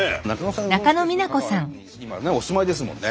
香川に今ねお住まいですもんね。